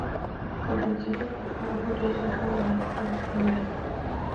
构成集合的事物或对象称作元素或是成员。